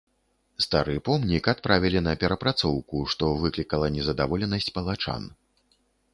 Стары помнік адправілі на перапрацоўку, што выклікала незадаволенасць палачан.